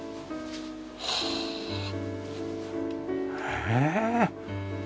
へえ！